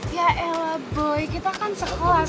ya elah boy kita kan sekelas